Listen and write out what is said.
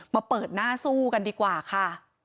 มาเปิดหน้าสู้กันดีกว่าค่ะ